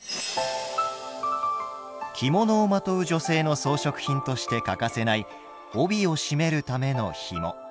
着物をまとう女性の装飾品として欠かせない帯を締めるためのひも。